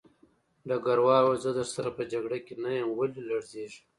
ډګروال وویل زه درسره په جګړه کې نه یم ولې لړزېږې